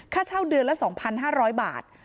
ค่าเช่าเดือนละ๒๕๐๐บาท